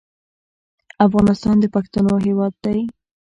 افغانستان د پښتنو هېواد دی.